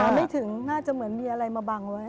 ไม่ถึงน่าจะเหมือนมีอะไรมาบังไว้